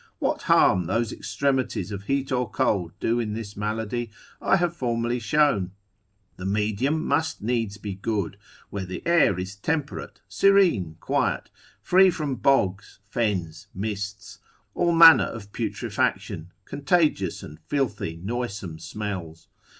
What harm those extremities of heat or cold do in this malady, I have formerly shown: the medium must needs be good, where the air is temperate, serene, quiet, free from bogs, fens, mists, all manner of putrefaction, contagious and filthy noisome smells.